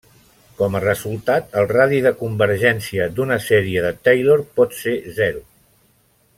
Com a resultat, el radi de convergència d'una sèrie de Taylor pot ser zero.